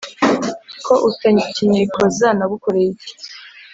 ko utakinyikoza nagukoreye iki?"